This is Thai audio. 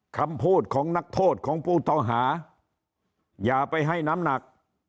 คำพูดของนักโทษของผู้ต้องหาอย่าไปให้น้ำหนัก